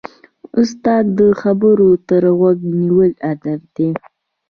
د استاد خبرو ته غوږ نیول ادب دی.